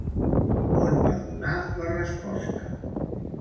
On va donar la resposta?